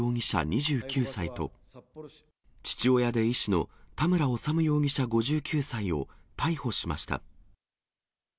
２９歳と、父親で医師の田村修容疑者５９歳を逮捕しました。